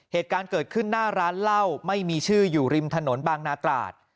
เหตุการณ์เกิดขึ้นหน้าร้านเหล้าไม่มีชื่ออยู่ริมถนนบางนาตราด